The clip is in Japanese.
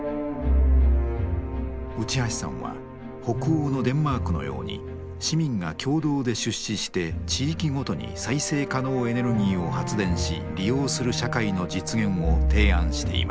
内橋さんは北欧のデンマークのように市民が共同で出資して地域ごとに再生可能エネルギーを発電し利用する社会の実現を提案しています。